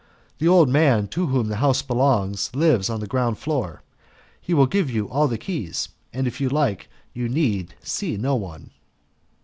The old man to whom the house belongs lives on the ground floor; he will give you all the keys and if you like you need see no one."